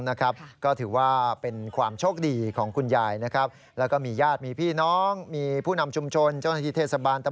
เนี่ยคุณยายเป็นคนชอบทำบุญทำทานช่วยเหลือสังคม